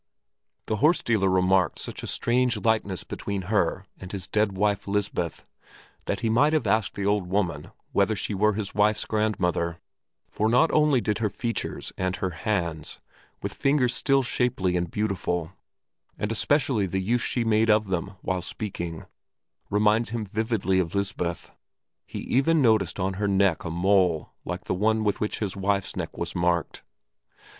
The horse dealer remarked such a strange likeness between her and his dead wife Lisbeth that he might have asked the old woman whether she were his wife's grandmother; for not only did her features and her hands with fingers still shapely and beautiful and especially the use she made of them when speaking, remind him vividly of Lisbeth; he even noticed on her neck a mole like one with which his wife's neck was marked.